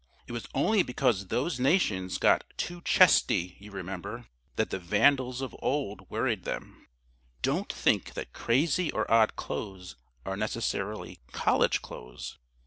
It was only because those nations got too chesty, you remember, that the Vandals of old worried them. [Sidenote: CRAZY MEN CRAZY CLOTHES] Don't think that crazy or odd clothes are necessarily "College" clothes.